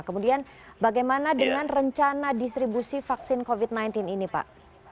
kemudian bagaimana dengan rencana distribusi vaksin covid sembilan belas ini pak